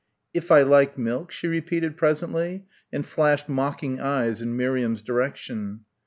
"If I like milk?" she repeated presently, and flashed mocking eyes in Miriam's direction.